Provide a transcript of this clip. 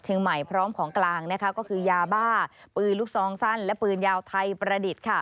พร้อมของกลางก็คือยาบ้าปืนลูกซองสั้นและปืนยาวไทยประดิษฐ์